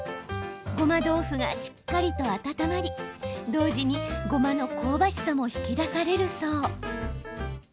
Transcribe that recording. ごま豆腐がしっかりと温まり同時に、ごまの香ばしさも引き出されるそう。